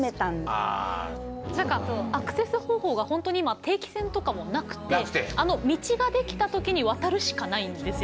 アクセス方法が本当に今定期船とかもなくてあの道ができた時に渡るしかないんですよ。